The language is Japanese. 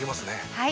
はい。